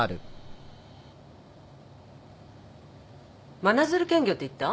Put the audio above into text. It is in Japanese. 真鶴建業って言った？